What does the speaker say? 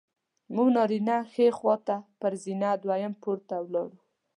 موږ نارینه ښي خوا ته پر زینه دویم پوړ ته ولاړو.